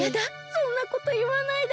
そんなこといわないで。